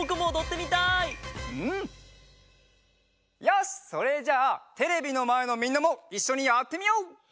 よしそれじゃあテレビのまえのみんなもいっしょにやってみよう！